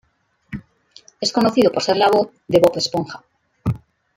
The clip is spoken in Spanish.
Es conocido por ser la voz de Bob Esponja.